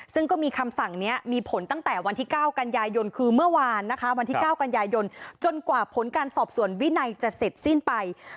ซึ่งก็มีคำสั่งนี้มีผลตั้งแต่วันที่๙กันยายนคือเมื่อวานนะคะวันที่๙กันยายนจนกว่าผลการสอบส่วนวินัยจะเสร็จสิ้นไป